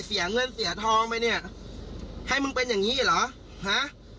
เสียเงินเสียทองไปเนี่ยให้มึงเป็นอย่างงี้เหรอฮะ